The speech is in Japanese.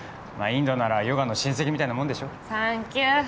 インドならヨガの親戚みたいなもんでしょ？